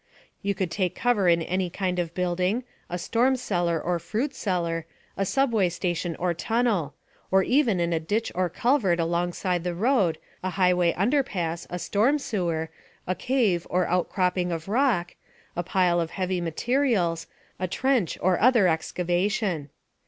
You could take cover in any kind of a building, a storm cellar or fruit cellar, a subway station or tunnel or even in a ditch or culvert alongside the road, a highway underpass, a storm sewer, a cave or outcropping of rock, a pile of heavy materials, a trench or other excavation.